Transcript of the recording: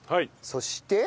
そして。